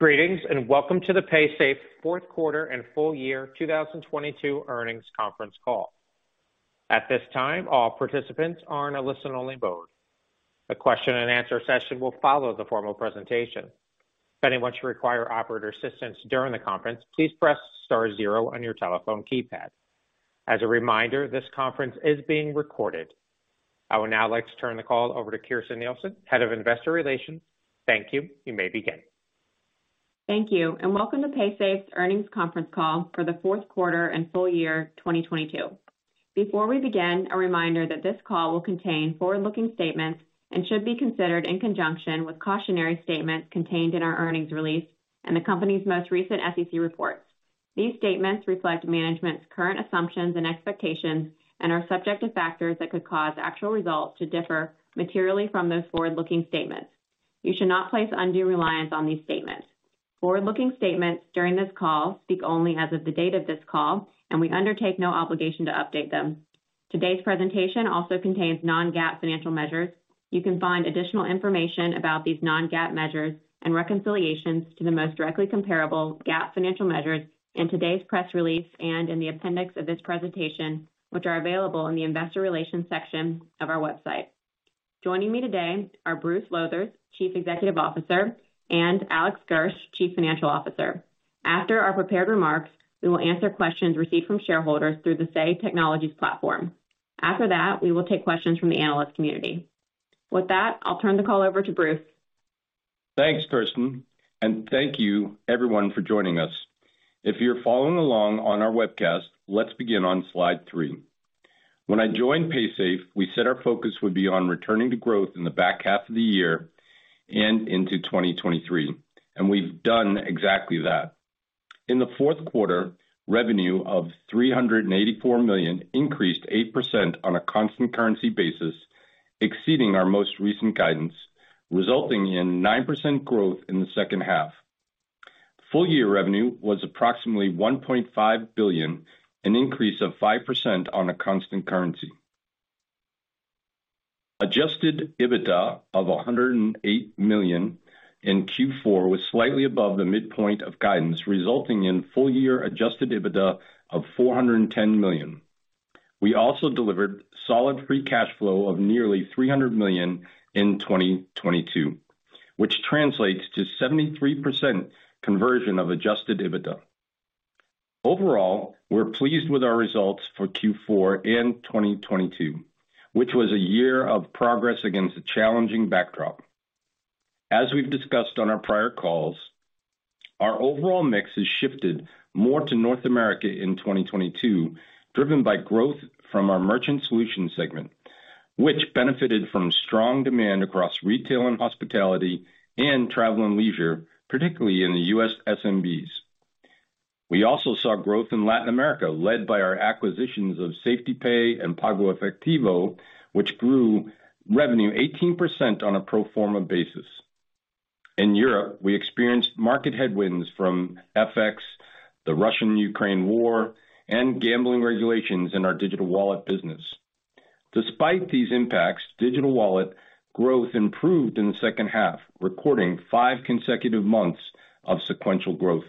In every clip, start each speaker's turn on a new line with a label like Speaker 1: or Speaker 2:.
Speaker 1: Greetings, Welcome to the Paysafe Q4 and Full Year 2022 Earnings Conference Call. At this time, all participants are on a listen-only mode. A question-and-answer session will follow the formal presentation. If anyone should require operator assistance during the conference, please press star zero on your telephone keypad. As a reminder, this conference is being recorded. I would now like to turn the call over to Kirsten Nielsen, Head of Investor Relations. Thank you. You may begin.
Speaker 2: Thank you. Welcome to Paysafe's earnings conference call for the Q4 and full year 2022. Before we begin, a reminder that this call will contain forward-looking statements and should be considered in conjunction with cautionary statements contained in our earnings release in the company's most recent SEC report. These statements reflect management's current assumptions and expectations and are subject to factors that could cause actual results to differ materially from those forward-looking statements. You should not place undue reliance on these statements. Forward-looking statements during this call speak only as of the date of this call. We undertake no obligation to update them. Today's presentation also contains non-GAAP financial measures. You can find additional information about these non-GAAP measures and reconciliations to the most directly comparable GAAP financial measures in today's press release and in the appendix of this presentation, which are available in the investor relations section of our website. Joining me today are Bruce Lowthers, Chief Executive Officer, and Alex Gersh, Chief Financial Officer. After our prepared remarks, we will answer questions received from shareholders through the Say Technologies platform. After that, we will take questions from the analyst community. With that, I'll turn the call over to Bruce.
Speaker 3: Thanks, Kirsten. Thank you everyone for joining us. If you're following along on our webcast, let's begin on Slide 3. When I joined Paysafe, we said our focus would be on returning to growth in the back half of the year and into 2023, and we've done exactly that. In the Q4, revenue of $384 million increased 8% on a constant currency basis, exceeding our most recent guidance, resulting in 9% growth in the second half. Full year revenue was approximately $1.5 billion, an increase of 5% on a constant currency. Adjusted EBITDA of $108 million in Q4 was slightly above the midpoint of guidance, resulting in full year Adjusted EBITDA of $410 million. We also delivered solid free cash flow of nearly $300 million in 2022, which translates to 73% conversion of Adjusted EBITDA. Overall, we're pleased with our results for Q4 in 2022, which was a year of progress against a challenging backdrop. As we've discussed on our prior calls, our overall mix has shifted more to North America in 2022, driven by growth from our Merchant Solutions segment, which benefited from strong demand across retail and hospitality and travel and leisure, particularly in the U.S. SMBs. We also saw growth in Latin America, led by our acquisitions of SafetyPay and PagoEfectivo, which grew revenue 18% on a pro forma basis. In Europe, we experienced market headwinds from FX, the Russia-Ukraine war, and gambling regulations in our digital wallet business. Despite these impacts, Digital Wallets growth improved in the second half, recording five consecutive months of sequential growth.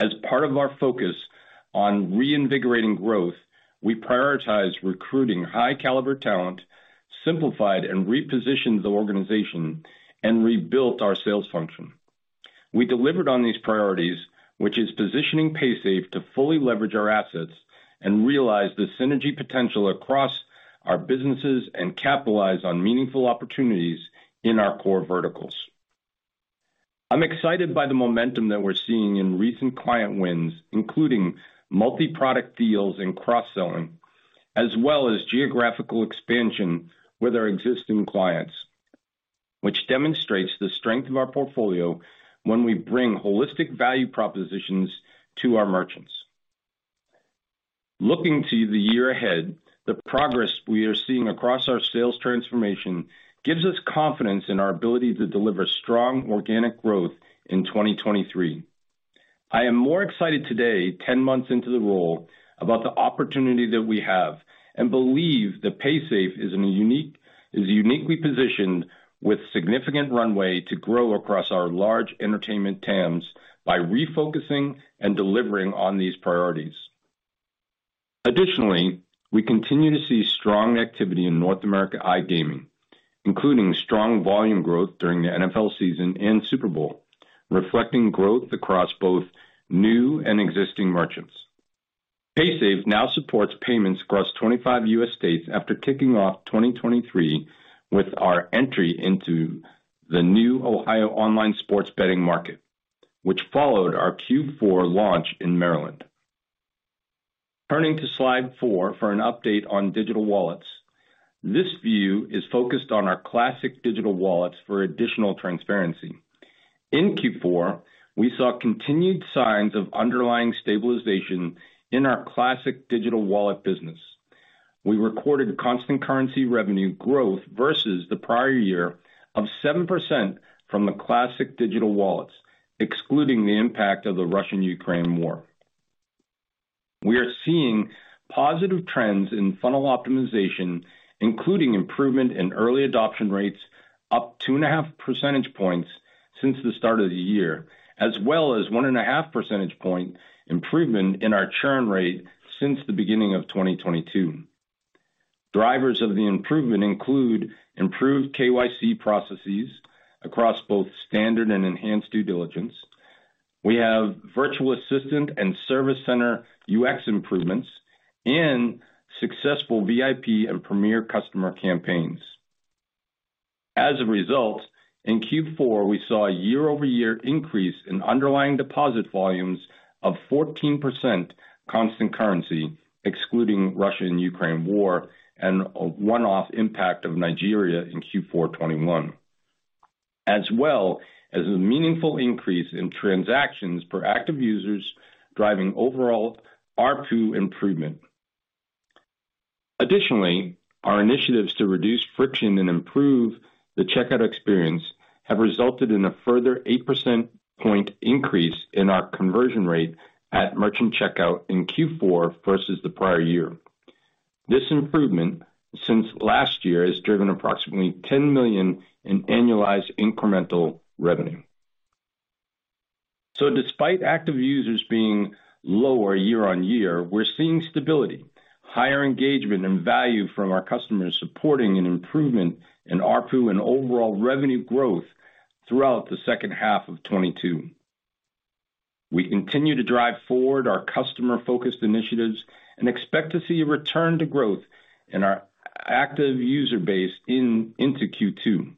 Speaker 3: As part of our focus on reinvigorating growth, we prioritize recruiting high caliber talent, simplified and repositioned the organization, and rebuilt our sales function. We delivered on these priorities, which is positioning Paysafe to fully leverage our assets and realize the synergy potential across our businesses and capitalize on meaningful opportunities in our core verticals. I'm excited by the momentum that we're seeing in recent client wins, including multi-product deals and cross-selling, as well as geographical expansion with our existing clients, which demonstrates the strength of our portfolio when we bring holistic value propositions to our merchants. Looking to the year ahead, the progress we are seeing across our sales transformation gives us confidence in our ability to deliver strong organic growth in 2023. I am more excited today, 10 months into the role, about the opportunity that we have and believe that Paysafe is uniquely positioned with significant runway to grow across our large entertainment TAMs by refocusing and delivering on these priorities. Additionally, we continue to see strong activity in North America iGaming, including strong volume growth during the NFL season and Super Bowl, reflecting growth across both new and existing merchants. Paysafe now supports payments across 25 U.S. states after kicking off 2023 with our entry into the new Ohio online sports betting market, which followed our Q4 launch in Maryland. Turning to Slide 4 for an update on Digital Wallets. This view is focused on our classic Digital Wallets for additional transparency. In Q4, we saw continued signs of underlying stabilization in our classic Digital Wallets business. We recorded constant currency revenue growth versus the prior year of 7% from the classic Digital Wallets, excluding the impact of the Russian-Ukraine war. We are seeing positive trends in funnel optimization, including improvement in early adoption rates up 2.5 percentage points since the start of the year, as well as 1.5 percentage point improvement in our churn rate since the beginning of 2022. Drivers of the improvement include improved KYC processes across both standard and enhanced due diligence. We have virtual assistant and service center UX improvements and successful VIP and premier customer campaigns. As a result, in Q4, we saw a year-over-year increase in underlying deposit volumes of 14% constant currency, excluding Russian-Ukraine war and a one-off impact of Nigeria in Q4 2021. As well as a meaningful increase in transactions per active users driving overall ARPU improvement. Additionally, our initiatives to reduce friction and improve the checkout experience have resulted in a further 8 percentage point increase in our conversion rate at merchant checkout in Q4 versus the prior year. This improvement since last year has driven approximately $10 million in annualized incremental revenue. Despite active users being lower year-on-year, we're seeing stability, higher engagement and value from our customers, supporting an improvement in ARPU and overall revenue growth throughout the second half of 2022. We continue to drive forward our customer-focused initiatives and expect to see a return to growth in our active user base into Q2.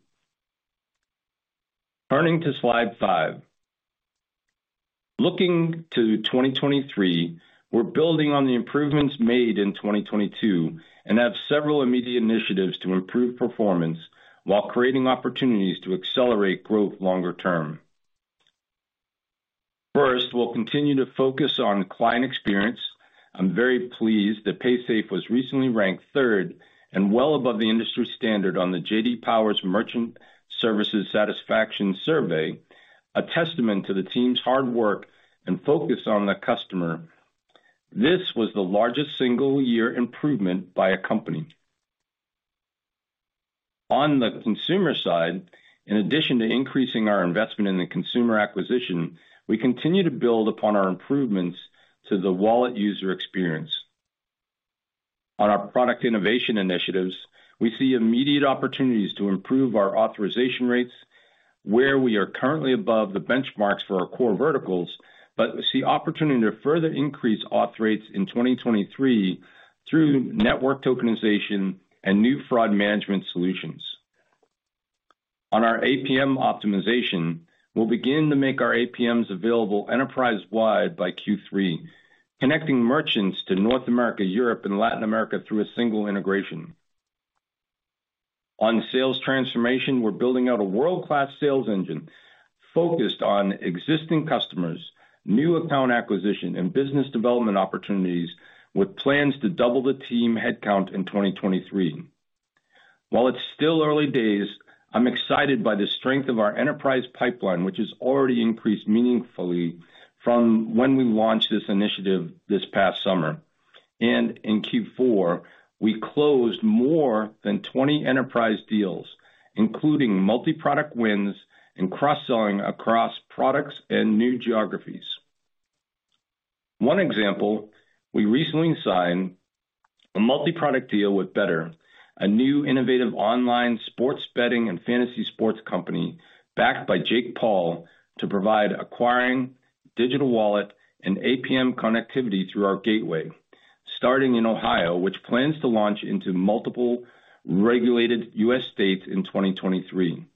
Speaker 3: Turning to Slide 5. Looking to 2023, we're building on the improvements made in 2022 and have several immediate initiatives to improve performance while creating opportunities to accelerate growth longer term. First, we'll continue to focus on client experience. I'm very pleased that Paysafe was recently ranked third and well above the industry standard on the J.D. Power U.S. Merchant Services Satisfaction Study, a testament to the team's hard work and focus on the customer. This was the largest single-year improvement by a company. On the consumer side, in addition to increasing our investment in the consumer acquisition, we continue to build upon our improvements to the wallet user experience. On our product innovation initiatives, we see immediate opportunities to improve our authorization rates where we are currently above the benchmarks for our core verticals, but we see opportunity to further increase auth rates in 2023 through network tokenization and new fraud management solutions. On our APM optimization, we'll begin to make our APMs available enterprise-wide by Q3, connecting merchants to North America, Europe, and Latin America through a single integration. On sales transformation, we're building out a world-class sales engine focused on existing customers, new account acquisition, and business development opportunities, with plans to double the team headcount in 2023. While it's still early days, I'm excited by the strength of our enterprise pipeline, which has already increased meaningfully from when we launched this initiative this past summer. In Q4, we closed more than 20 enterprise deals, including multi-product wins and cross-selling across products and new geographies. One example, we recently signed a multi-product deal with Betr, a new innovative online sports betting and fantasy sports company backed by Jake Paul to provide acquiring digital wallet and APM connectivity through our gateway, starting in Ohio, which plans to launch into multiple regulated U.S. states in 2023.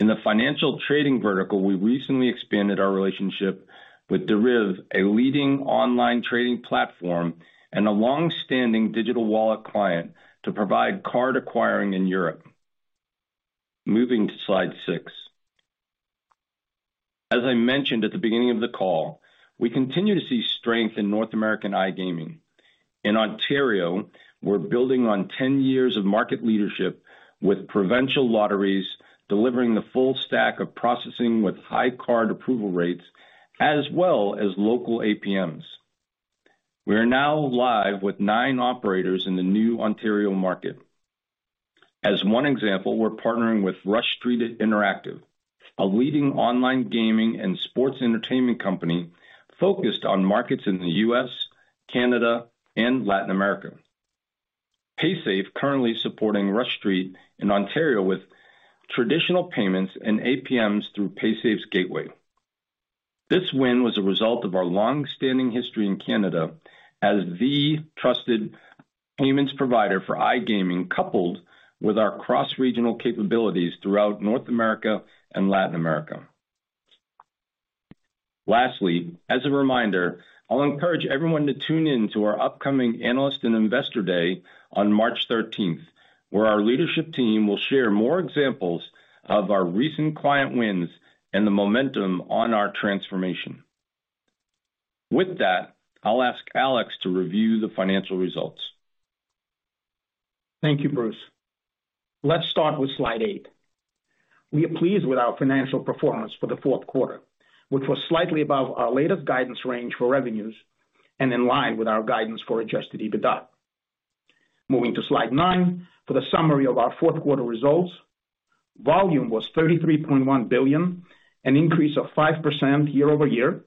Speaker 3: In the financial trading vertical, we recently expanded our relationship with Deriv, a leading online trading platform and a long-standing digital wallet client to provide card acquiring in Europe. Moving to Slide 6. As I mentioned at the beginning of the call, we continue to see strength in North American iGaming. In Ontario, we're building on 10 years of market leadership with provincial lotteries, delivering the full stack of processing with high card approval rates as well as local APMs. We are now live with nine operators in the new Ontario market. As one example, we're partnering with Rush Street Interactive, a leading online gaming and sports entertainment company focused on markets in the U.S., Canada, and Latin America. Paysafe currently supporting Rush Street in Ontario with traditional payments and APMs through Paysafe's gateway. This win was a result of our long-standing history in Canada as the trusted payments provider for iGaming, coupled with our cross-regional capabilities throughout North America and Latin America. Lastly, as a reminder, I'll encourage everyone to tune in to our upcoming Analyst and Investor Day on 13 March 2022, where our leadership team will share more examples of our recent client wins and the momentum on our transformation. With that, I'll ask Alex to review the financial results.
Speaker 4: Thank you, Bruce. Let's start with Slide 8. We are pleased with our financial performance for the Q4, which was slightly above our latest guidance range for revenues and in line with our guidance for Adjusted EBITDA. Moving to Slide 9 for the summary of our Q4 results. Volume was $33.1 billion, an increase of 5% year-over-year,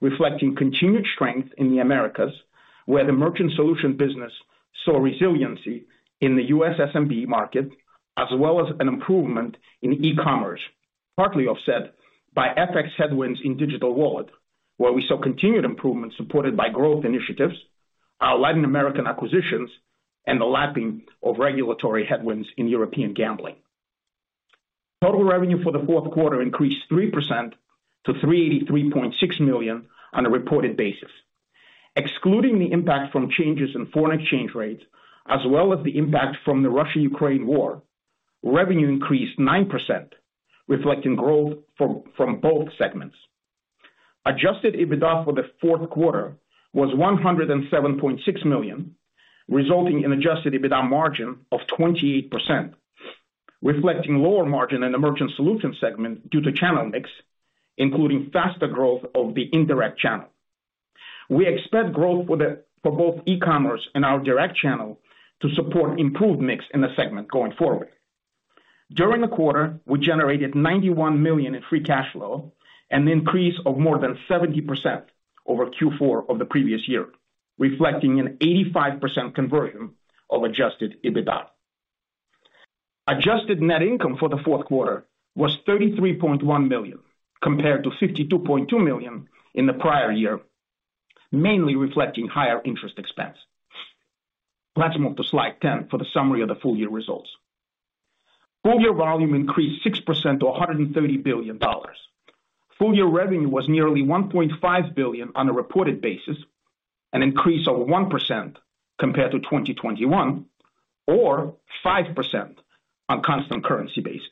Speaker 4: reflecting continued strength in the Americas, where the Merchant Solutions business saw resiliency in the U.S. SMB market, as well as an improvement in e-commerce, partly offset by FX headwinds in Digital Wallet, where we saw continued improvement supported by growth initiatives, our Latin American acquisitions, and the lapping of regulatory headwinds in European gambling. Total revenue for the Q4 increased 3% to $383.6 million on a reported basis. Excluding the impact from changes in foreign exchange rates, as well as the impact from the Russia-Ukraine war, revenue increased 9%, reflecting growth from both segments. Adjusted EBITDA for the Q4 was $107.6 million, resulting in Adjusted EBITDA margin of 28%, reflecting lower margin in the Merchant Solutions segment due to channel mix, including faster growth of the indirect channel. We expect growth for both e-commerce and our direct channel to support improved mix in the segment going forward. During the quarter, we generated $91 million in free cash flow, an increase of more than 70% over Q4 of the previous year, reflecting an 85% conversion of Adjusted EBITDA. Adjusted net income for the Q4 was $33.1 million, compared to $52.2 million in the prior year, mainly reflecting higher interest expense. Let's move to Slide 10 for the summary of the full year results. Full year volume increased 6% to $130 billion. Full year revenue was nearly $1.5 billion on a reported basis, an increase of 1% compared to 2021 or 5% on constant currency basis.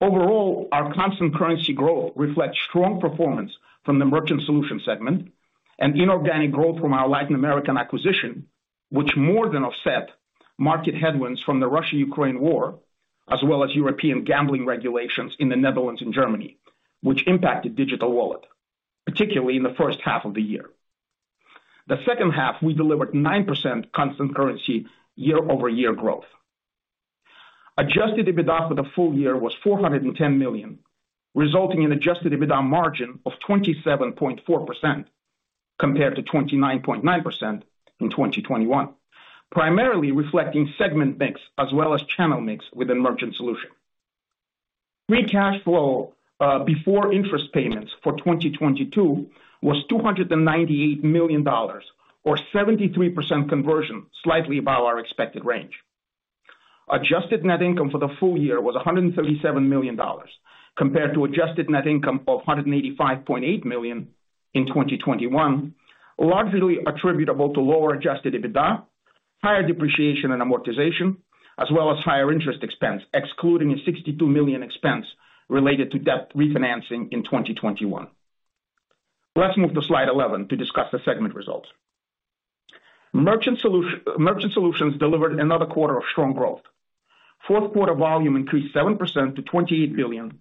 Speaker 4: Overall, our constant currency growth reflects strong performance from the Merchant Solutions segment and inorganic growth from our Latin American acquisition, which more than offset market headwinds from the Russia-Ukraine War, as well as European gambling regulations in the Netherlands and Germany, which impacted Digital Wallets, particularly in the first half of the year. The second half, we delivered 9% constant currency year-over-year growth. Adjusted EBITDA for the full year was $410 million, resulting in Adjusted EBITDA margin of 27.4% compared to 29.9% in 2021, primarily reflecting segment mix as well as channel mix within Merchant Solutions. Free cash flow before interest payments for 2022 was $298 million or 73% conversion, slightly above our expected range. Adjusted net income for the full year was $137 million compared to Adjusted net income of $185.8 million in 2021, largely attributable to lower Adjusted EBITDA, higher depreciation and amortization, as well as higher interest expense, excluding a $62 million expense related to debt refinancing in 2021. Let's move to Slide 11 to discuss the segment results. Merchant Solutions delivered another quarter of strong growth. Q4 volume increased 7% to $28 billion,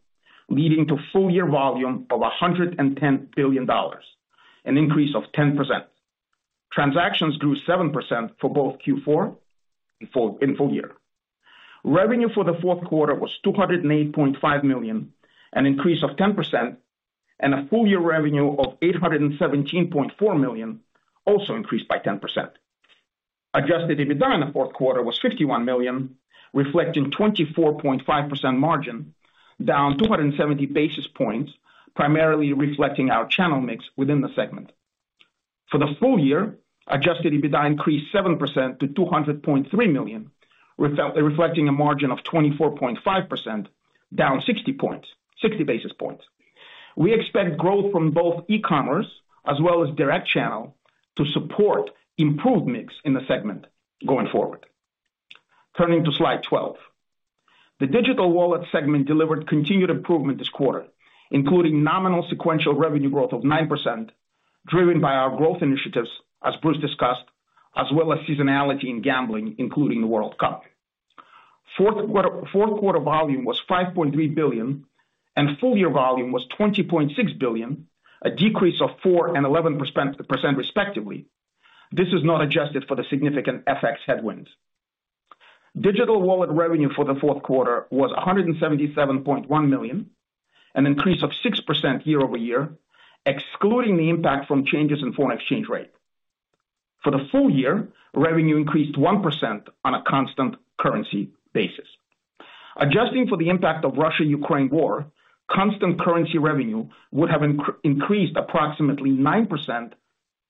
Speaker 4: leading to full year volume of $110 billion, an increase of 10%. Transactions grew 7% for both Q4 and full year. Revenue for the Q4 was $208.5 million, an increase of 10%, and a full year revenue of $817.4 million also increased by 10%. Adjusted EBITDA in the Q4 was $51 million, reflecting 24.5% margin, down 270 basis points, primarily reflecting our channel mix within the segment. For the full year, Adjusted EBITDA increased 7% to $200.3 million, reflecting a margin of 24.5%, down 60 basis points. We expect growth from both e-commerce as well as direct channel to support improved mix in the segment going forward. Turning to Slide 12. The Digital Wallet segment delivered continued improvement this quarter, including nominal sequential revenue growth of 9%, driven by our growth initiatives, as Bruce discussed, as well as seasonality in gambling, including the World Cup. Q4 volume was $5.3 billion and full year volume was $20.6 billion, a decrease of 4% and 11% respectively. This is not adjusted for the significant FX headwinds. Digital Wallet revenue for the Q4 was $177.1 million, an increase of 6% year-over-year, excluding the impact from changes in foreign exchange rate. For the full year, revenue increased 1% on a constant currency basis. Adjusting for the impact of Russia-Ukraine war, constant currency revenue would have increased approximately 9%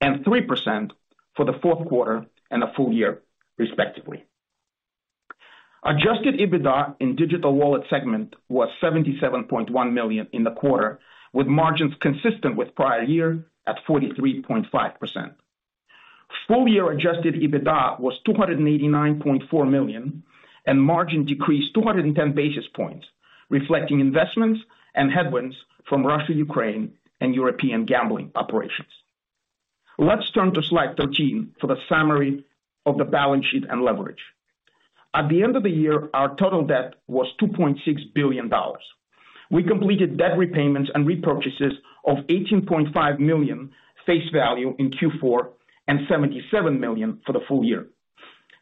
Speaker 4: and 3% for the Q4 and the full year, respectively. Adjusted EBITDA in Digital Wallet segment was $77.1 million in the quarter, with margins consistent with prior year at 43.5%. Full year Adjusted EBITDA was $289.4 million, and margin decreased 210 basis points, reflecting investments and headwinds from Russia, Ukraine, and European gambling operations. Let's turn to Slide 13 for the summary of the balance sheet and leverage. At the end of the year, our total debt was $2.6 billion. We completed debt repayments and repurchases of $18.5 million face value in Q4 and $77 million for the full year.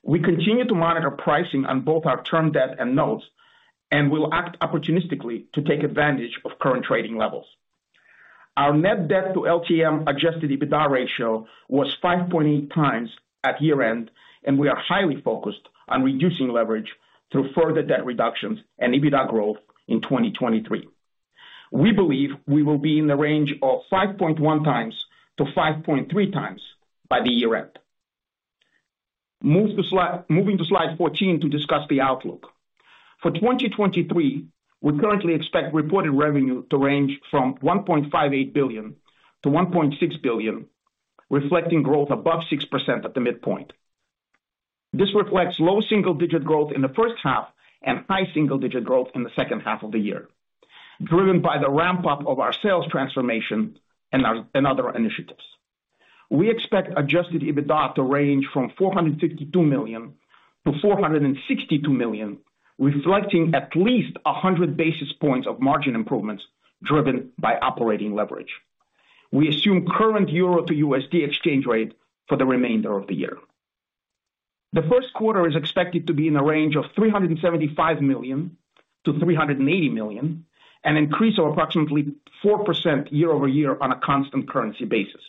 Speaker 4: We continue to monitor pricing on both our term debt and notes, and we'll act opportunistically to take advantage of current trading levels. Our net debt to LTM Adjusted EBITDA ratio was 5.8x at year-end, and we are highly focused on reducing leverage through further debt reductions and EBITDA growth in 2023. We believe we will be in the range of 5.1x–5.3x by the year-end. Moving to Slide 14 to discuss the outlook. For 2023, we currently expect reported revenue to range from $1.58 billion-$1.6 billion, reflecting growth above 6% at the midpoint. This reflects low single-digit growth in the first half and high single-digit growth in the second half of the year, driven by the ramp-up of our sales transformation and other initiatives. We expect Adjusted EBITDA to range from $452 million-$462 million, reflecting at least 100 basis points of margin improvements driven by operating leverage. We assume current EUR to USD exchange rate for the remainder of the year. The Q1 is expected to be in the range of $375 million-$380 million, an increase of approximately 4% year-over-year on a constant currency basis.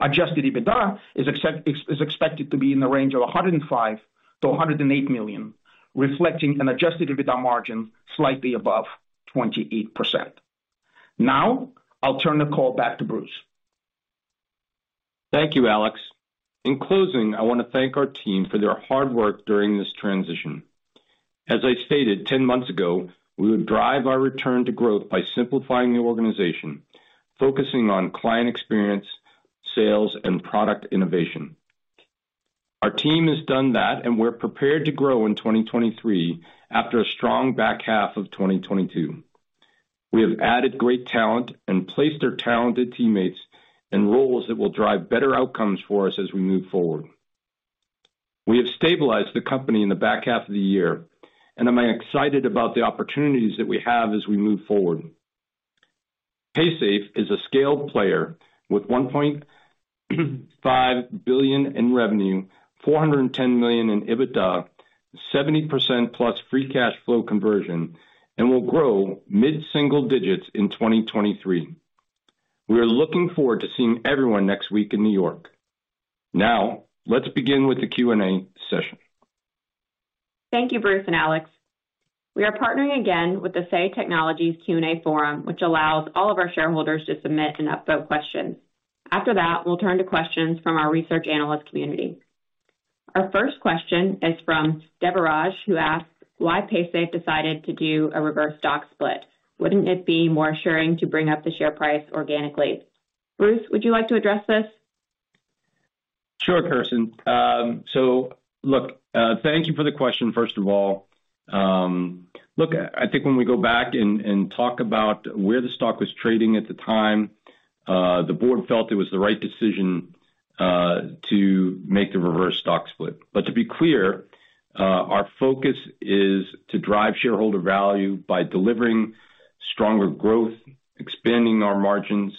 Speaker 4: Adjusted EBITDA is expected to be in the range of $105 million-$108 million, reflecting an Adjusted EBITDA margin slightly above 28%. Now, I'll turn the call back to Bruce.
Speaker 3: Thank you, Alex. In closing, I wanna thank our team for their hard work during this transition. As I stated 10 months ago, we would drive our return to growth by simplifying the organization, focusing on client experience, sales, and product innovation. Our team has done that, and we're prepared to grow in 2023 after a strong back half of 2022. We have added great talent and placed our talented teammates in roles that will drive better outcomes for us as we move forward. We have stabilized the company in the back half of the year, and I'm excited about the opportunities that we have as we move forward. Paysafe is a scaled player with $1.5 billion in revenue, $410 million in EBITDA, 70%+ free cash flow conversion, and will grow mid-single digits in 2023. We are looking forward to seeing everyone next week in New York. Let's begin with the Q&A session.
Speaker 2: Thank you, Bruce and Alex. We are partnering again with the Say Technologies Q&A forum, which allows all of our shareholders to submit and upvote questions. After that, we'll turn to questions from our research analyst community. Our first question is from Devraj, who asks why Paysafe decided to do a reverse stock split. Wouldn't it be more assuring to bring up the share price organically? Bruce, would you like to address this?
Speaker 3: Sure, Kirsten. Look, thank you for the question, first of all. Look, I think when we go back and talk about where the stock was trading at the time, the board felt it was the right decision to make the reverse stock split. To be clear, our focus is to drive shareholder value by delivering stronger growth, expanding our margins,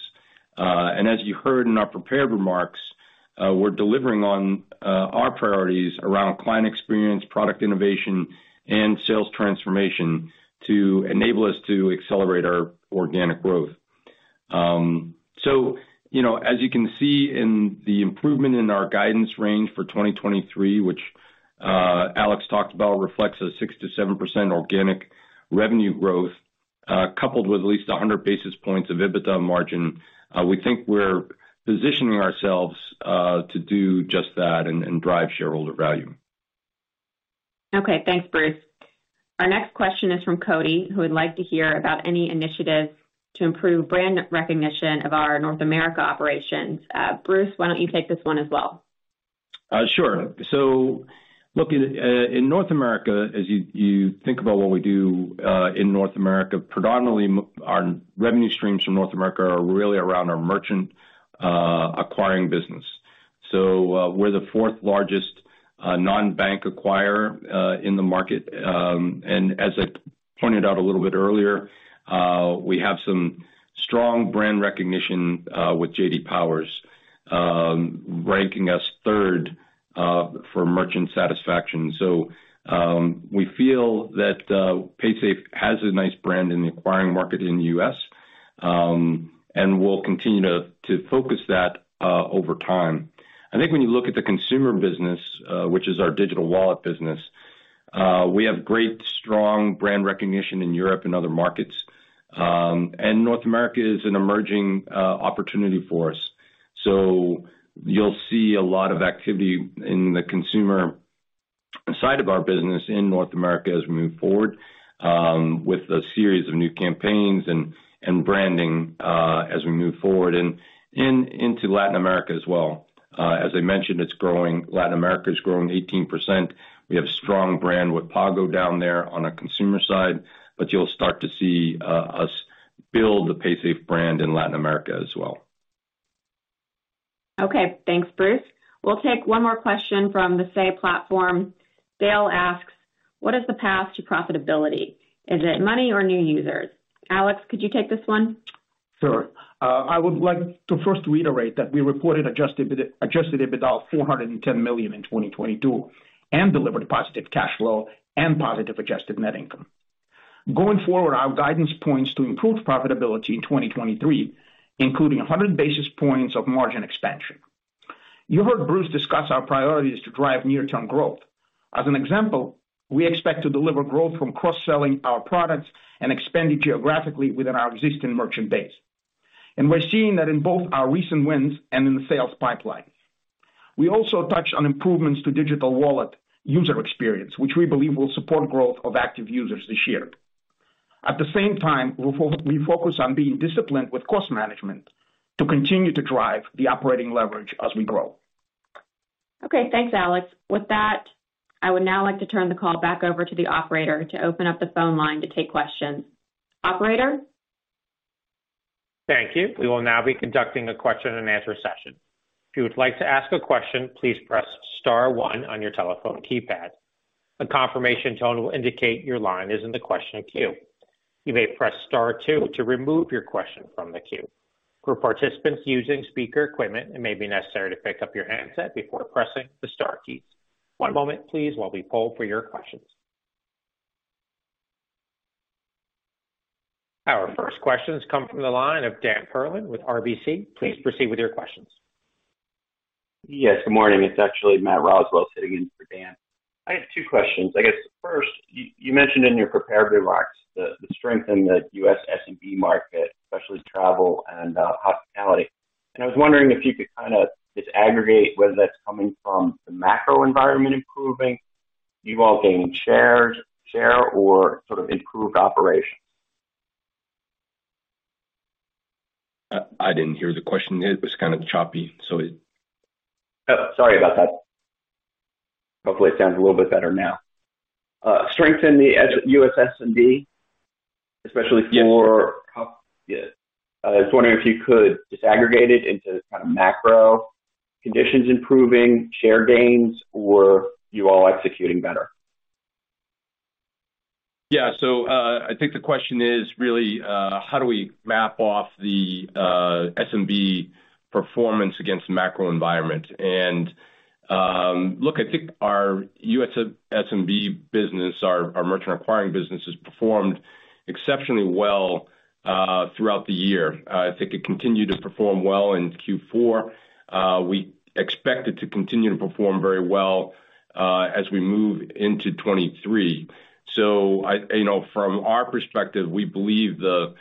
Speaker 3: and as you heard in our prepared remarks, we're delivering on our priorities around client experience, product innovation, and sales transformation to enable us to accelerate our organic growth. You know, as you can see in the improvement in our guidance range for 2023, which Alex talked about, reflects a 6%-7% organic revenue growth, coupled with at least 100 basis points of EBITDA margin. We think we're positioning ourselves to do just that and drive shareholder value.
Speaker 2: Okay. Thanks, Bruce. Our next question is from Cody, who would like to hear about any initiatives to improve brand recognition of our North America operations. Bruce, why don't you take this one as well?
Speaker 3: Sure. Look, in North America, as you think about what we do, in North America, predominantly our revenue streams from North America are really around our merchant acquiring business. We're the fourth-largest non-bank acquirer in the market. As I pointed out a little bit earlier, we have some strong brand recognition with J.D. Power, ranking us third for merchant satisfaction. We feel that Paysafe has a nice brand in the acquiring market in the U.S., and we'll continue to focus that over time. I think when you look at the consumer business, which is our digital wallet business, we have great, strong brand recognition in Europe and other markets, North America is an emerging opportunity for us. You'll see a lot of activity in the consumer side of our business in North America as we move forward, with a series of new campaigns and branding, as we move forward into Latin America as well. As I mentioned, it's growing. Latin America is growing 18%. We have a strong brand with PagoEfectivo down there on a consumer side, but you'll start to see us build the Paysafe brand in Latin America as well.
Speaker 2: Okay. Thanks, Bruce. We'll take one more question from the Say platform. Dale asks, "What is the path to profitability? Is it money or new users?" Alex, could you take this one?
Speaker 4: Sure. I would like to first reiterate that we reported Adjusted EBITDA $410 million in 2022, and delivered positive cash flow and positive adjusted net income. Going forward, our guidance points to improved profitability in 2023, including 100 basis points of margin expansion. You heard Bruce discuss our priorities to drive near-term growth. As an example, we expect to deliver growth from cross-selling our products and expanding geographically within our existing merchant base. We're seeing that in both our recent wins and in the sales pipeline. We also touched on improvements to Digital Wallets user experience, which we believe will support growth of active users this year. At the same time, we focus on being disciplined with cost management to continue to drive the operating leverage as we grow.
Speaker 2: Okay. Thanks, Alex. With that, I would now like to turn the call back over to the operator to open up the phone line to take questions. Operator?
Speaker 1: Thank you. We will now be conducting a question-and-answer session. If you would like to ask a question, please press star one on your telephone keypad. A confirmation tone will indicate your line is in the question queue. You may press star two to remove your question from the queue. For participants using speaker equipment, it may be necessary to pick up your handset before pressing the star keys. One moment please while we poll for your questions. Our first questions come from the line of Dan Perlin with RBC. Please proceed with your questions.
Speaker 5: Yes, good morning. It's actually Matt Roswell sitting in for Dan. I have two questions. I guess, first, you mentioned in your prepared remarks the strength in the U.S. SMB market, especially travel and hospitality. I was wondering if you could kind of disaggregate whether that's coming from the macro environment improving, you all gaining share or sort of improved operations.
Speaker 3: I didn't hear the question. It was kind of choppy.
Speaker 5: Oh, sorry about that. Hopefully it sounds a little bit better now. Strength in the U.S. SMB, especially for
Speaker 3: Yes.
Speaker 5: I was wondering if you could disaggregate it into kind of macro conditions improving, share gains or you all executing better.
Speaker 3: Yeah. I think the question is really how do we map off the SMB performance against the macro environment? Look, I think our U.S. SMB business, our merchant acquiring business has performed exceptionally well throughout the year. I think it continued to perform well in Q4. We expect it to continue to perform very well as we move into 2023. You know, from our perspective, we believe the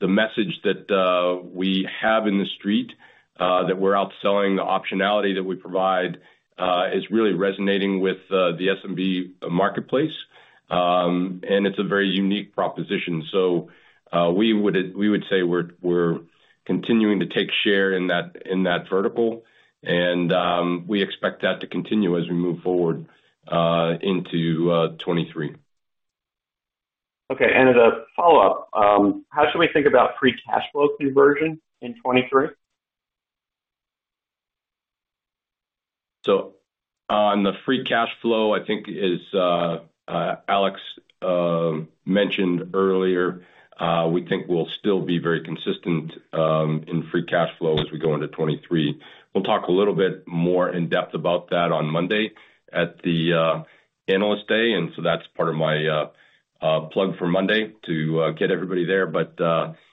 Speaker 3: message that we have in the street, that we're out selling the optionality that we provide, is really resonating with the SMB marketplace. It's a very unique proposition. We would say we're continuing to take share in that vertical and we expect that to continue as we move forward into 2023.
Speaker 5: Okay. As a follow-up, how should we think about free cash flow conversion in 2023?
Speaker 3: On the free cash flow, I think as Alex mentioned earlier, we think we'll still be very consistent in free cash flow as we go into 2023. We'll talk a little bit more in depth about that on Monday at the Analyst Day, and so that's part of my plug for Monday to get everybody there.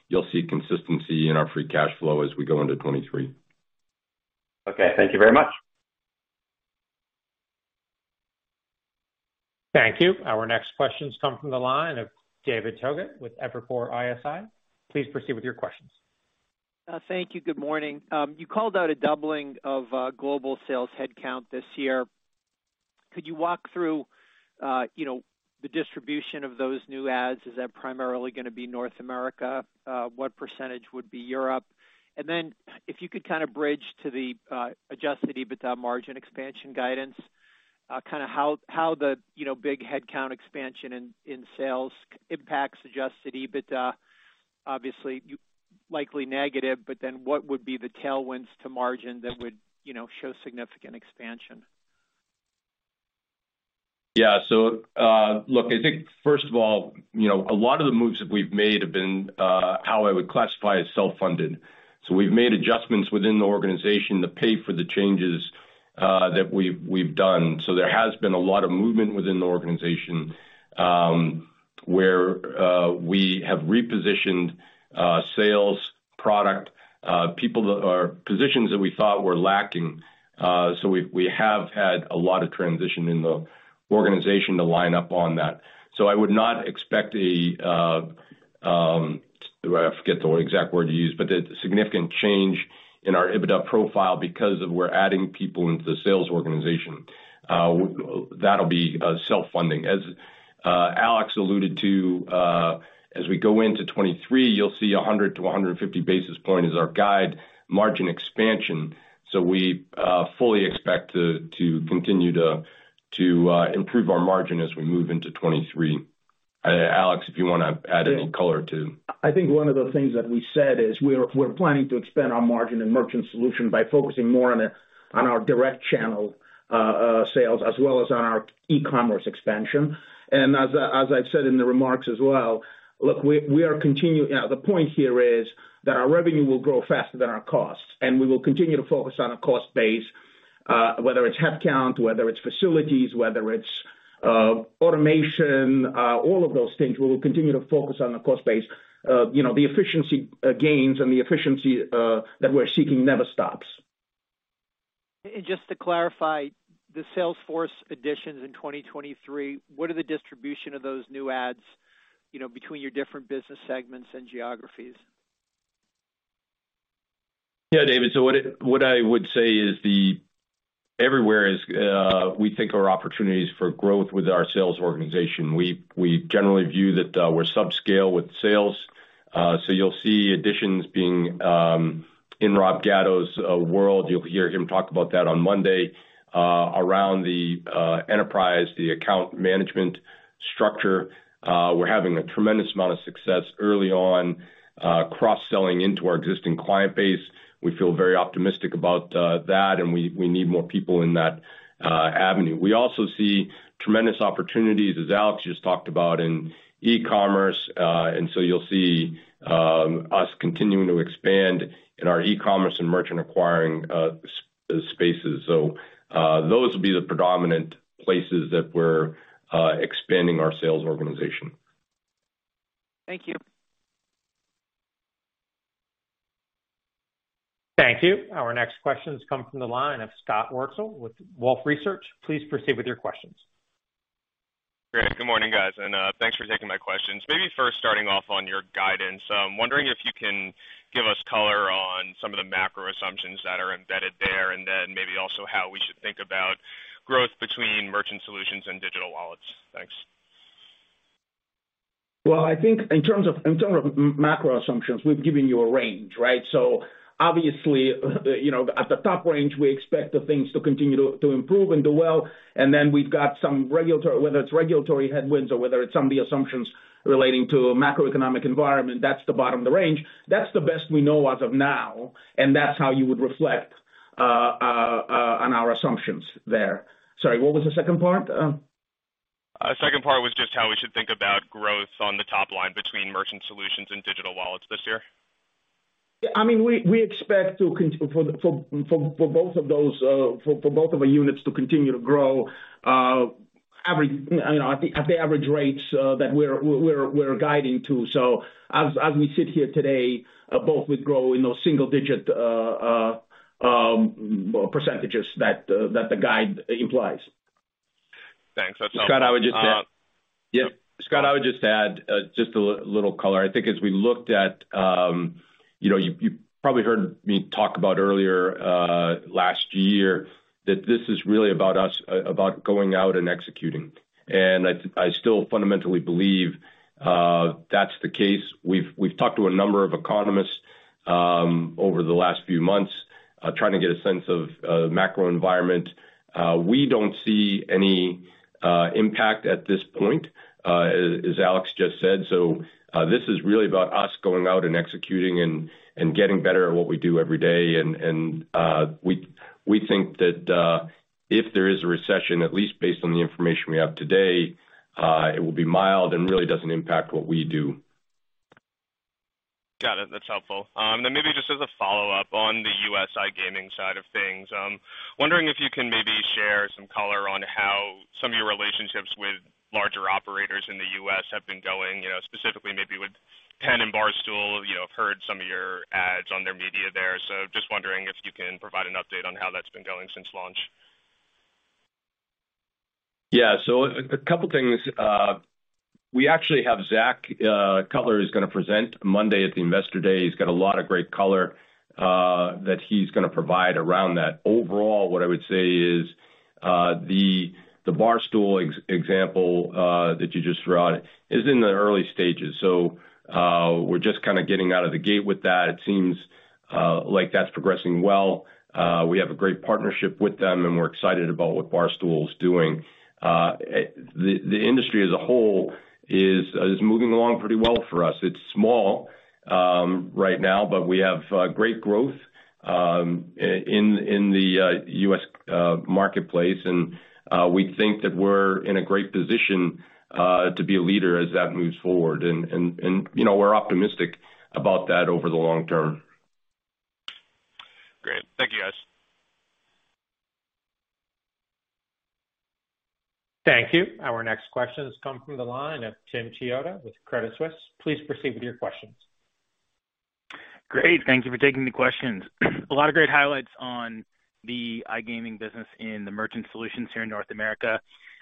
Speaker 3: You'll see consistency in our free cash flow as we go into 2023.
Speaker 5: Okay. Thank you very much.
Speaker 1: Thank you. Our next questions come from the line of David Togut with Evercore ISI. Please proceed with your questions.
Speaker 6: Thank you. Good morning. You called out a doubling of global sales headcount this year. Could you walk through, you know, the distribution of those new adds? Is that primarily gonna be North America? What percentage would be Europe? If you could kind of bridge to the Adjusted EBITDA margin expansion guidance, kind of how the, you know, big headcount expansion in sales impacts Adjusted EBITDA. Obviously, likely negative, what would be the tailwinds to margin that would, you know, show significant expansion?
Speaker 3: Look, I think first of all, you know, a lot of the moves that we've made have been how I would classify as self-funded. We've made adjustments within the organization to pay for the changes that we've done. There has been a lot of movement within the organization, where we have repositioned sales, product, people that are positions that we thought were lacking. We have had a lot of transition in the organization to line up on that. I would not expect a, I forget the exact word to use, but a significant change in our EBITDA profile because of we're adding people into the sales organization. That'll be self-funding. As Alex alluded to, as we go into 2023, you'll see 100-150 basis points as our guide margin expansion. We fully expect to continue to improve our margin as we move into 2023. Alex, if you want to add any color too.
Speaker 4: I think one of the things that we said is we're planning to expand our margin in Merchant Solutions by focusing more on our direct channel sales as well as on our e-commerce expansion. As I said in the remarks as well, look, we are continuing. The point here is that our revenue will grow faster than our costs, and we will continue to focus on a cost base, whether it's headcount, whether it's facilities, whether it's automation, all of those things, we will continue to focus on the cost base. You know, the efficiency gains and the efficiency that we're seeking never stops.
Speaker 6: Just to clarify the sales force additions in 2023, what are the distribution of those new adds, you know, between your different business segments and geographies?
Speaker 3: Yeah, David. What I, what I would say is everywhere is, we think are opportunities for growth with our sales organization. We generally view that we're subscale with sales. You'll see additions being in Rob Gatto's world. You'll hear him talk about that on Monday, around the enterprise, the account management structure. We're having a tremendous amount of success early on, cross-selling into our existing client base. We feel very optimistic about that, and we need more people in that avenue. We also see tremendous opportunities, as Alex just talked about in e-commerce. You'll see us continuing to expand in our e-commerce and merchant acquiring spaces. Those will be the predominant places that we're expanding our sales organization.
Speaker 6: Thank you.
Speaker 1: Thank you. Our next question comes from the line of Scott Wurtzel with Wolfe Research. Please proceed with your questions.
Speaker 7: Great. Good morning, guys. Thanks for taking my questions. Maybe first starting off on your guidance. I'm wondering if you can give us color on some of the macro assumptions that are embedded there. Maybe also how we should think about growth between Merchant Solutions and Digital Wallets. Thanks.
Speaker 4: I think in terms of macro assumptions, we've given you a range, right? Obviously, you know, at the top range, we expect the things to continue to improve and do well. We've got some regulatory, whether it's regulatory headwinds or whether it's some of the assumptions relating to macroeconomic environment, that's the bottom of the range. That's the best we know as of now, that's how you would reflect on our assumptions there. Sorry, what was the second part?
Speaker 7: Second part was just how we should think about growth on the top line between Merchant Solutions and Digital Wallets this year.
Speaker 4: I mean, we expect for both of those, for both of our units to continue to grow, average, you know, at the average rates that we're guiding to. As we sit here today, both would grow in those single digit percentages that the guide implies.
Speaker 7: Thanks. That's helpful.
Speaker 3: Scott, I would just.
Speaker 7: Yeah.
Speaker 3: Scott, I would just add a little color. I think as we looked at, you know, you probably heard me talk about earlier last year that this is really about us about going out and executing. I still fundamentally believe that's the case. We've talked to a number of economists over the last few months trying to get a sense of macro environment. We don't see any impact at this point as Alex just said. This is really about us going out and executing and getting better at what we do every day. We think that if there is a recession, at least based on the information we have today, it will be mild and really doesn't impact what we do.
Speaker 7: Got it. That's helpful. Maybe just as a follow-up on the U.S. iGaming side of things. Wondering if you can maybe share some color on how some of your relationships with larger operators in the U.S. have been going, you know, specifically maybe with PENN and Barstool Sports. You know, I've heard some of your ads on their media there. Just wondering if you can provide an update on how that's been going since launch.
Speaker 3: A couple things. We actually have Zak Cutler, who's gonna present Monday at the Investor Day. He's got a lot of great color that he's gonna provide around that. Overall, what I would say is, the Barstool example that you just brought is in the early stages. We're just kinda getting out of the gate with that. It seems like that's progressing well. We have a great partnership with them, and we're excited about what Barstool is doing. The industry as a whole is moving along pretty well for us. It's small right now, but we have great growth in the U.S. marketplace. We think that we're in a great position to be a leader as that moves forward. You know, we're optimistic about that over the long term.
Speaker 7: Great. Thank you, guys.
Speaker 1: Thank you. Our next question has come from the line of Tim Chiodo with Credit Suisse. Please proceed with your questions.
Speaker 8: Great. Thank you for taking the questions. A lot of great highlights on the iGaming business in the Merchant Solutions here in North America.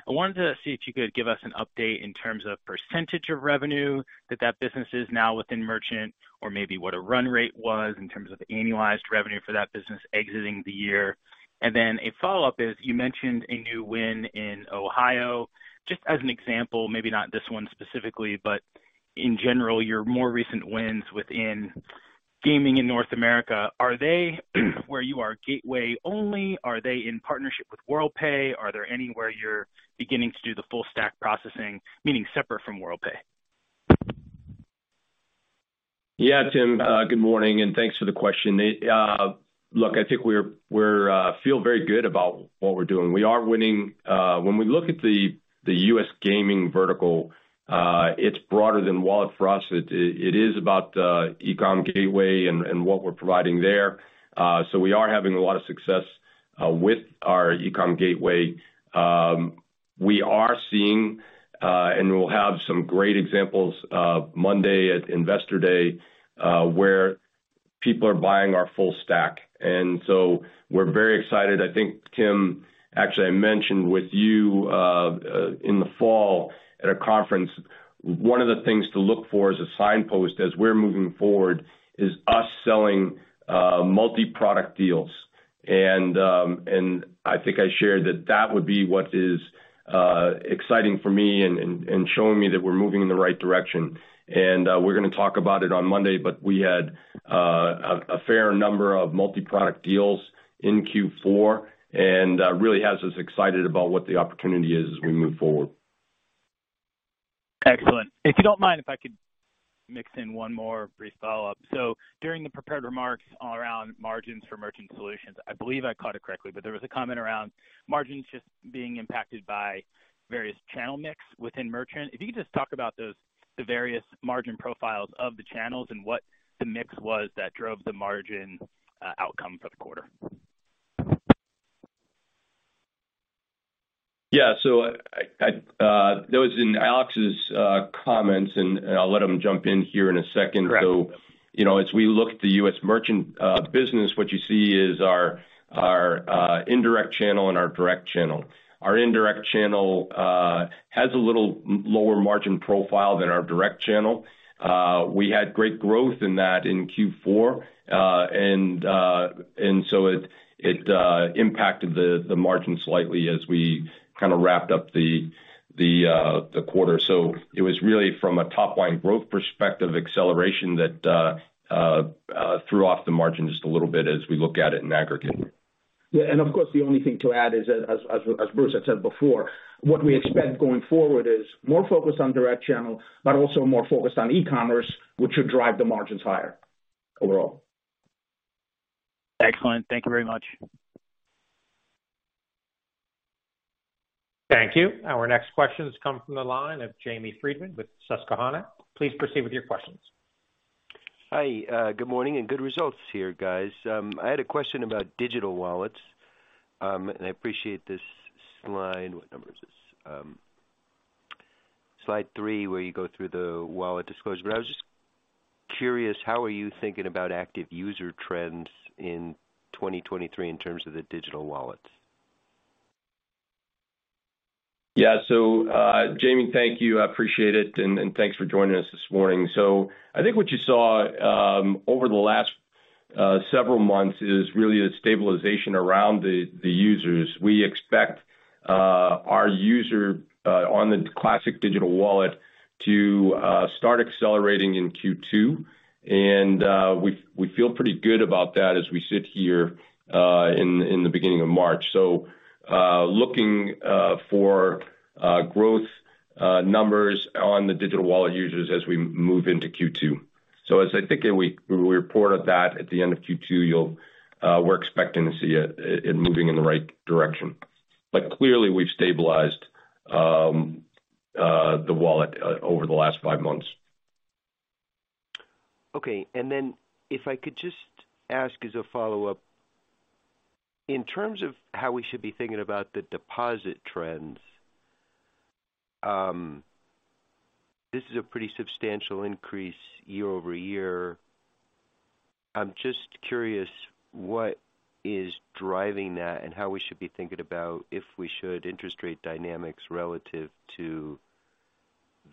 Speaker 8: I wanted to see if you could give us an update in terms of percentage of revenue that that business is now within merchant or maybe what a run rate was in terms of annualized revenue for that business exiting the year. A follow-up is you mentioned a new win in Ohio. Just as an example, maybe not this one specifically, but in general, your more recent wins within gaming in North America, are they where you are gateway only? Are they in partnership with Worldpay? Are there any where you're beginning to do the full stack processing, meaning separate from Worldpay?
Speaker 3: Yeah, Tim, good morning, and thanks for the question. Look, I think we're feel very good about what we're doing. We are winning. When we look at the U.S. gaming vertical, it's broader than wallet for us. It is about e-com gateway and what we're providing there. We are having a lot of success with our e-com gateway. We are seeing, and we'll have some great examples of Monday at Investor Day, where people are buying our full stack. We're very excited. I think, Tim, actually I mentioned with you in the fall at a conference, one of the things to look for as a signpost as we're moving forward is us selling multi-product deals. I think I shared that that would be what is exciting for me and showing me that we're moving in the right direction. We're gonna talk about it on Monday, but we had a fair number of multi-product deals in Q4 and really has us excited about what the opportunity is as we move forward.
Speaker 8: Excellent. If you don't mind, if I could mix in one more brief follow-up. During the prepared remarks around margins for Merchant Solutions, I believe I caught it correctly, but there was a comment around margins just being impacted by various channel mix within Merchant. If you could just talk about those, the various margin profiles of the channels and what the mix was that drove the margin outcome for the quarter.
Speaker 3: Yeah. I that was in Alex's comments, and I'll let him jump in here in a second. You know, as we look at the U.S. merchant business, what you see is our indirect channel and our direct channel. Our indirect channel has a little lower margin profile than our direct channel. We had great growth in that in Q4. And so it impacted the margin slightly as we kind of wrapped up the quarter. It was really from a top line growth perspective, acceleration that threw off the margin just a little bit as we look at it in aggregate.
Speaker 4: Yeah. Of course, the only thing to add is that as Bruce had said before, what we expect going forward is more focused on direct channel, but also more focused on e-commerce, which should drive the margins higher overall.
Speaker 8: Excellent. Thank you very much.
Speaker 1: Thank you. Our next question comes from the line of Jamie Friedman with Susquehanna. Please proceed with your questions.
Speaker 9: Hi, good morning and good results here, guys. I had a question about Digital Wallets. I appreciate this slide. What number is this? Slide 3, where you go through the wallet disclosure. I was just curious, how are you thinking about active user trends in 2023 in terms of the Digital Wallets?
Speaker 3: Jamie, thank you. I appreciate it, and thanks for joining us this morning. I think what you saw over the last several months is really a stabilization around the users. We expect our user on the classic digital wallet to start accelerating in Q2. We feel pretty good about that as we sit here in the beginning of March. Looking for growth numbers on the digital wallet users as we move into Q2. As I think, and we reported that at the end of Q2, you'll, we're expecting to see it moving in the right direction. Clearly we've stabilized the wallet over the last five months.
Speaker 9: Okay. If I could just ask as a follow-up, in terms of how we should be thinking about the deposit trends, this is a pretty substantial increase year-over-year. I'm just curious what is driving that and how we should be thinking about if we should interest rate dynamics relative to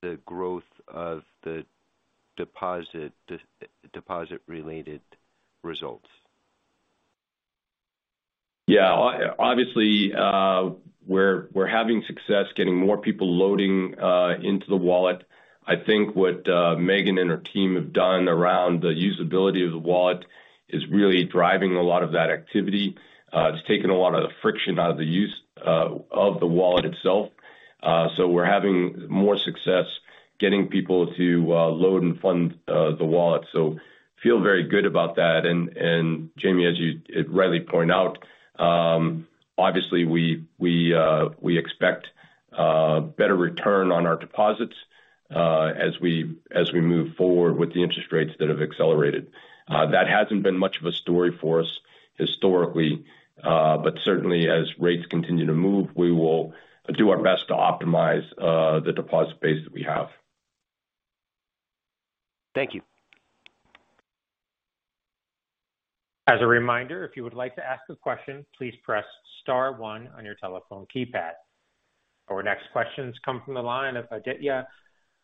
Speaker 9: the growth of the deposit related results.
Speaker 3: Yeah. Obviously, we're having success getting more people loading into the wallet. I think what Megan and her team have done around the usability of the wallet is really driving a lot of that activity. It's taken a lot of the friction out of the use of the wallet itself. We're having more success getting people to load and fund the wallet. Feel very good about that. Jamie, as you rightly point out, obviously we expect better return on our deposits as we move forward with the interest rates that have accelerated. That hasn't been much of a story for us historically, but certainly as rates continue to move, we will do our best to optimize the deposit base that we have.
Speaker 9: Thank you.
Speaker 1: As a reminder, if you would like to ask a question, please press star one on your telephone keypad. Our next question comes from the line of Aditya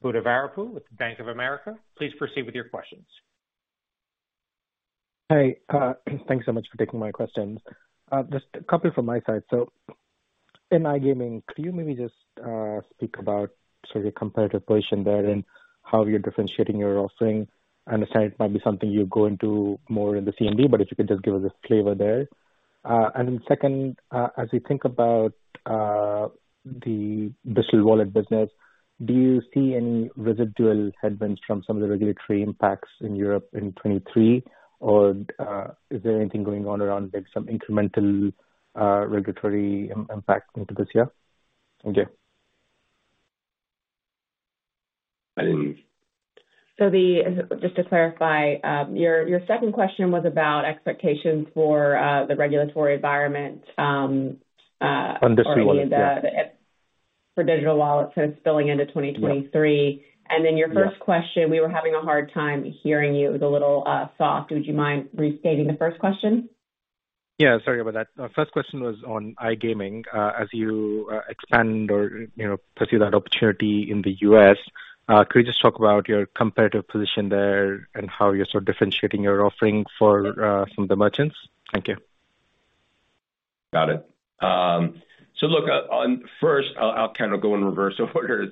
Speaker 1: Buddhavarapu with Bank of America. Please proceed with your questions.
Speaker 10: Thanks so much for taking my questions. Just a couple from my side. In iGaming, could you maybe just speak about sort of your competitive position there and how you're differentiating your offering? I understand it might be something you go into more in the CMD, but if you could just give us a flavor there. Second, as you think about the Digital Wallets business, do you see any residual headwinds from some of the regulatory impacts in Europe in 2023? Is there anything going on around like some incremental regulatory impact into this year? Thank you.
Speaker 2: Just to clarify, your second question was about expectations for the regulatory environment.
Speaker 10: On Digital Wallet, yeah.
Speaker 2: For Digital Wallets sort of spilling into 2023. Your first question, we were having a hard time hearing you. It was a little soft. Would you mind restating the first question?
Speaker 10: Yeah, sorry about that. Our first question was on iGaming. As you know, pursue that opportunity in the U.S., could you just talk about your competitive position there and how you're sort of differentiating your offering for, from the merchants? Thank you.
Speaker 3: Got it. look, first I'll kind of go in reverse order.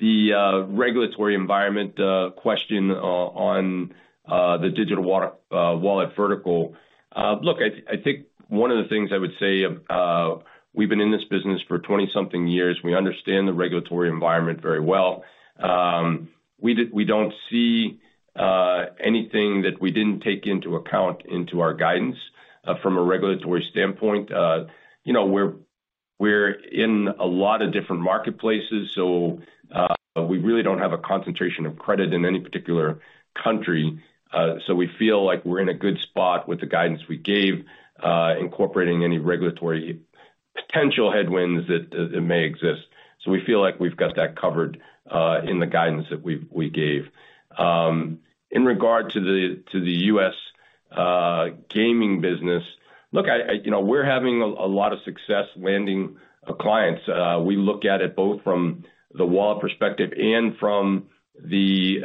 Speaker 3: The regulatory environment question on the digital wallet vertical. look, I think one of the things I would say, we've been in this business for 20-something years. We understand the regulatory environment very well. We don't see anything that we didn't take into account into our guidance from a regulatory standpoint. You know, we're in a lot of different marketplaces, we really don't have a concentration of credit in any particular country. We feel like we're in a good spot with the guidance we gave incorporating any regulatory potential headwinds that may exist. We feel like we've got that covered in the guidance that we gave. In regard to the U.S. gaming business. Look, you know, we're having a lot of success landing clients. We look at it both from the wallet perspective and from the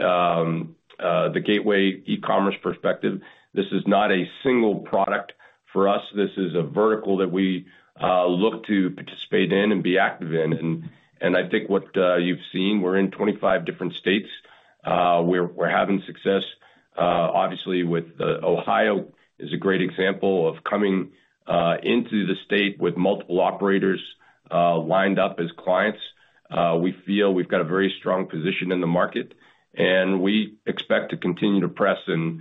Speaker 3: gateway eCommerce perspective. This is not a single product for us. This is a vertical that we look to participate in and be active in. I think what you've seen, we're in 25 different states. We're having success, obviously with Ohio is a great example of coming into the state with multiple operators lined up as clients. We feel we've got a very strong position in the market, and we expect to continue to press and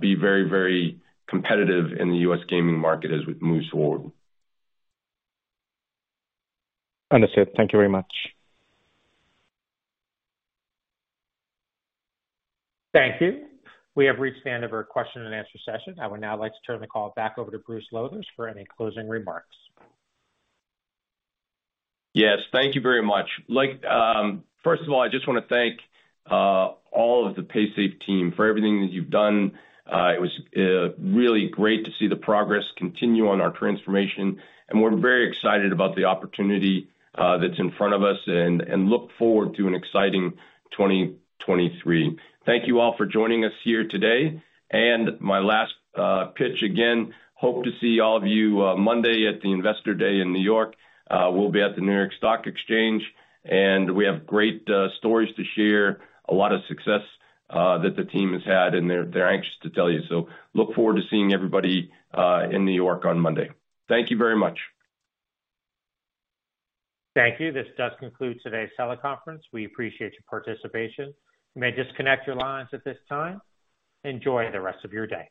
Speaker 3: be very, very competitive in the U.S. gaming market as we move forward.
Speaker 10: Understood. Thank you very much.
Speaker 1: Thank you. We have reached the end of our question-and-answer session. I would now like to turn the call back over to Bruce Lowthers for any closing remarks.
Speaker 3: Yes, thank you very much. Like, first of all, I just wanna thank all of the Paysafe team for everything that you've done. It was really great to see the progress continue on our transformation, and we're very excited about the opportunity that's in front of us and look forward to an exciting 2023. Thank you all for joining us here today. My last pitch again, hope to see all of you Monday at the Investor Day in New York. We'll be at the New York Stock Exchange, and we have great stories to share. A lot of success that the team has had, they're anxious to tell you. Look forward to seeing everybody in New York on Monday. Thank you very much.
Speaker 1: Thank you. This does conclude today's teleconference. We appreciate your participation. You may disconnect your lines at this time. Enjoy the rest of your day.